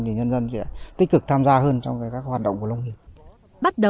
thì nhân dân sẽ tích cực tham gia hơn trong các hoạt động của nông nghiệp